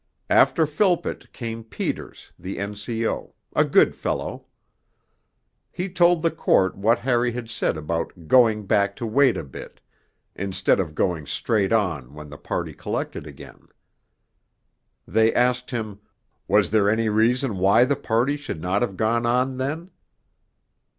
After Philpott came Peters, the N.C.O., a good fellow. He told the Court what Harry had said about 'going back to wait a bit,' instead of going straight on when the party collected again. They asked him, 'Was there any reason why the party should not have gone on then?'